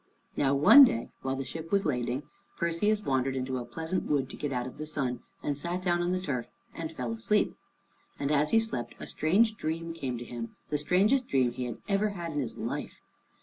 Now one day, while the ship was lading, Perseus wandered into a pleasant wood to get out of the sun, and sat down on the turf and fell asleep. And as he slept a strange dream came to him, the strangest dream he had ever had in his life.